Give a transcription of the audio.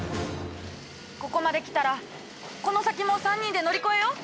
ここまできたらこの先も３人で乗り越えよう！